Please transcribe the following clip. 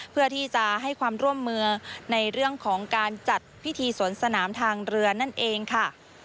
เพื่อที่จะให้ความร่วมมือในเรื่องของการจัดพิธีสวนสนามทางเรือนั่นเองค่ะ